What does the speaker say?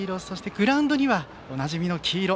グラウンドには、おなじみの黄色。